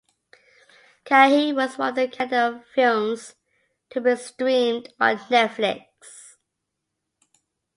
Kahi was one of the Kannada films to be streamed on Netflix.